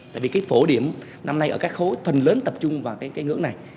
tại vì cái phổ điểm năm nay ở các khối phần lớn tập trung vào cái ngưỡng này